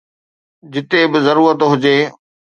جتي به ضرورت هجي